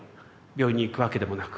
病院に行くわけでもなく。